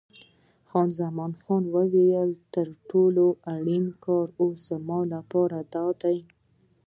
خان زمان وویل: تر ټولو اړین کار اوس زما لپاره دادی.